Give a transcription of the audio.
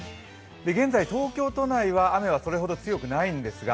現在、東京都内は雨はそれほど強くないんですが、